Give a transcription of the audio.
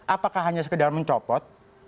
apakah hanya sekedar mencopot